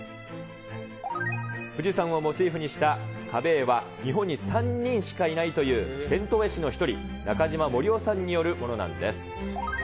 富士山をモチーフにした壁絵は、日本に３人しかいないという銭湯絵師の１人、中島盛夫さんによるものなんです。